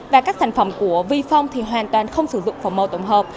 và các sản phẩm của vifong thì hoàn toàn không sử dụng phẩm màu tổng hợp